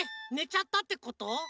ちゃったってこと？